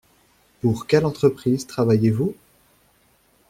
Pour quelle entreprise travaillez-vous ?